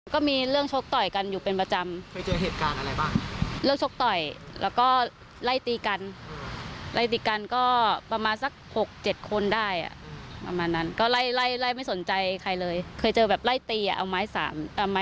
คุณผู้ชมที่เคยไปวิ่งที่สวนสาธารณะจัตรุจักรเคยเจอไหมคะ